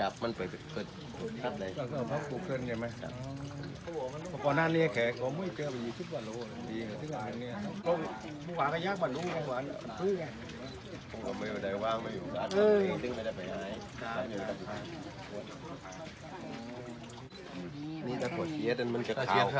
น้ำปลาบึกกับซ่าหมกปลาร่า